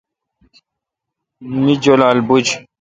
می جولال بوُجھ۔